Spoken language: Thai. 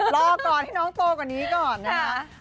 รอก่อนให้น้องโตกว่านี้ก่อนนะครับ